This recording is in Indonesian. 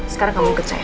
sekarang kamu ke cahaya